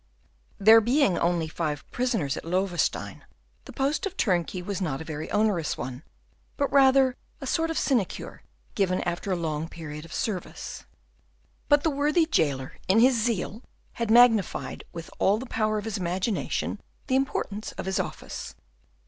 There being only five prisoners at Loewestein, the post of turnkey was not a very onerous one, but rather a sort of sinecure, given after a long period of service. But the worthy jailer, in his zeal, had magnified with all the power of his imagination the importance of his office.